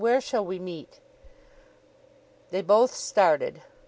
Where shall we meet?' They both started.